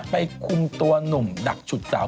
คุมตัวหนุ่มดักฉุดสาว